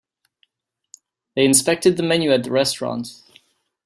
They inspected the menu at the restaurant.